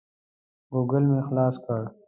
ګوګل مې خلاص کړ.